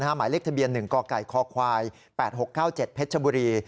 หมายเลขทะเบียน๑กกคควาย๘๖๙๗เพชรบุรี